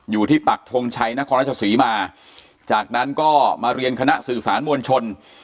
ปักทงชัยนครราชศรีมาจากนั้นก็มาเรียนคณะสื่อสารมวลชน